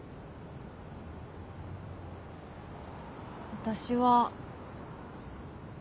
私は。